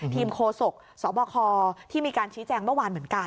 โคศกสบคที่มีการชี้แจงเมื่อวานเหมือนกัน